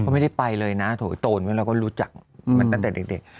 ไม่ได้ไปเลยนะโถยโตนแล้วก็รู้จักมาตั้งแต่เด็ก